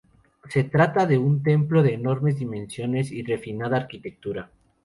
Se trata de un templo de enormes dimensiones y refinada arquitectura.